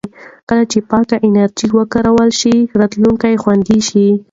کله چې پاکه انرژي وکارول شي، راتلونکی خوندي شي.